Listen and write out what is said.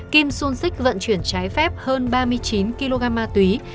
kim sun sik vận chuyển trái phép hơn ba mươi chín kg ma túy